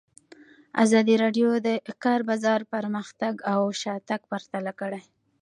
ازادي راډیو د د کار بازار پرمختګ او شاتګ پرتله کړی.